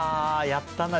やったな。